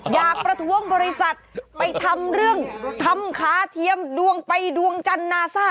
ประท้วงบริษัทไปทำเรื่องทำขาเทียมดวงไปดวงจันทร์นาซ่า